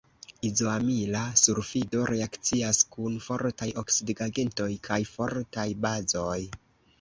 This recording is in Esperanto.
Izoamila sulfido reakcias kun fortaj oksidigagentoj kaj fortaj bazoj.